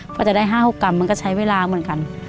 พอจะได้๕๖กรัมมันก็ใช้เวลาเหมือนกัน